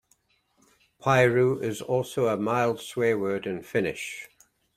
"Piru" is also a mild swearword in Finnish.